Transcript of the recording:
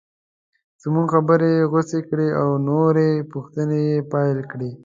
زموږ خبرې یې غوڅې کړې او نورې پوښتنې یې پیل کړې.